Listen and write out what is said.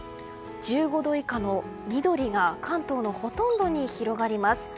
１５度以下の緑が関東のほとんどに広がります。